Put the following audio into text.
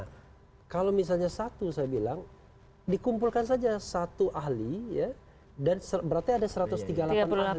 nah kalau misalnya satu saya bilang dikumpulkan saja satu ahli ya dan berarti ada satu ratus tiga puluh delapan ahli